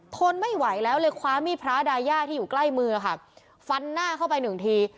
ทนไม่ไหวแล้วเลยคว้ามีดพระดายาที่อยู่ใกล้มือค่ะฟันหน้าเข้าไปหนึ่งที